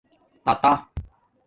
تاتآ